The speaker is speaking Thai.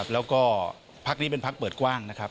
แล้วก็พักนี้เป็นพักเปิดกว้างนะครับ